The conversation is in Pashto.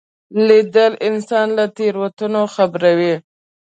لیدل انسان له تېروتنو خبروي